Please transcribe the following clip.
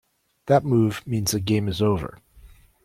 That move means the game is over.